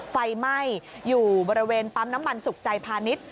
ไฟไหม้อยู่บริเวณปั๊มน้ำมันสุขใจพาณิชย์